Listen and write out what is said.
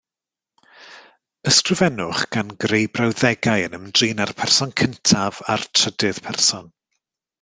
Ysgrifennwch gan greu brawddegau yn ymdrin â'r person cyntaf a'r trydydd person.